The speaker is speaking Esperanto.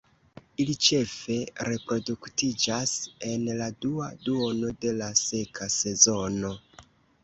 Ili ĉefe reproduktiĝas en la dua duono de la seka sezono.